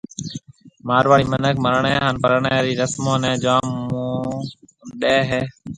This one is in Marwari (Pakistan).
مارواڙي مِنک مرڻيَ ھان پرڻيَ رِي رسمون نيَ جام مون ڏَي ھيََََ